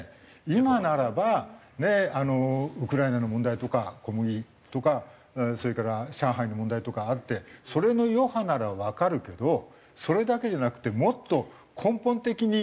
今ならばあのウクライナの問題とか小麦とかそれから上海の問題とかあってそれの余波ならわかるけどそれだけじゃなくてもっと根本的に。